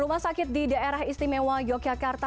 rumah sakit di daerah istimewa yogyakarta